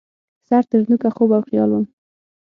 سر ترنوکه خوب او خیال وم